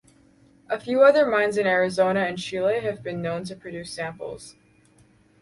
A few other mines in Arizona and Chile have been known to produce samples.